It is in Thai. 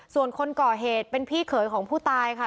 ส่วนคนก่อเหตุเป็นพี่เขยของผู้ตายค่ะ